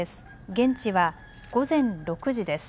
現地は午前６時です。